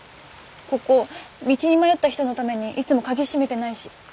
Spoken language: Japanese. ここ道に迷った人のためにいつも鍵閉めてないし。